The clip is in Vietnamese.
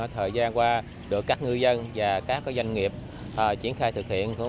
thời gian qua được các ngư dân và các doanh nghiệp triển khai thực hiện cũng đã khá là lâu